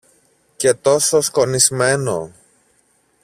και τόσο σκονισμένο